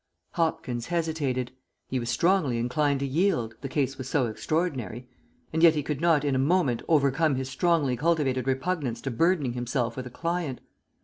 Hopkins hesitated. He was strongly inclined to yield, the cause was so extraordinary, and yet he could not in a moment overcome his strongly cultivated repugnance to burdening himself with a client.